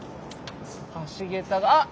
橋桁があっ！